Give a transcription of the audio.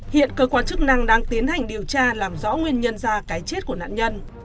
hiện cơ quan chức năng đang tiến hành điều tra làm rõ nguyên nhân ra cái chết của nạn nhân